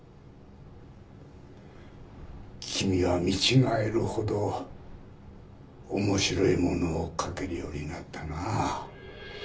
君は見違えるほど面白いものを書けるようになったな。